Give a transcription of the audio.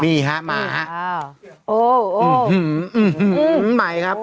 มีครับมาครับ